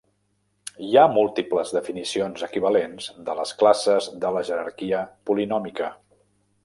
Hi ha múltiples definicions equivalents de les classes de la jerarquia polinòmica.